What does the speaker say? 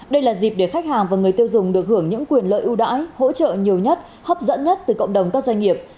đây là dịp để khách hàng và người tiêu dùng được hưởng những quyền lợi ưu đãi hỗ trợ nhiều nhất hấp dẫn nhất từ cộng đồng các doanh nghiệp